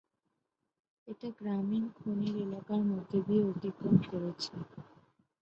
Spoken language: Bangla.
এটা গ্রামীণ খনির এলাকার মধ্যে দিয়ে অতিক্রম করেছে।